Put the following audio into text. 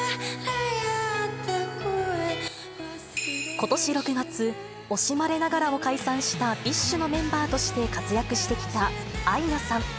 ことし６月、惜しまれながらも解散したＢｉＳＨのメンバーとして活躍してきたアイナさん。